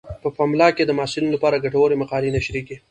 په پملا کې د محصلینو لپاره ګټورې مقالې نشریږي.